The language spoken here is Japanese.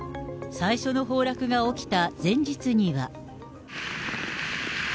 最初の崩落が起きた前日には。